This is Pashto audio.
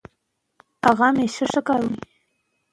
که ماشوم ته ارزښت ورکړو نو هغه نه بېلېږي.